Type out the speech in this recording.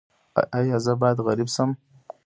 ایا زه باید غریب شم؟